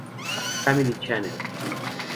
Family Channel.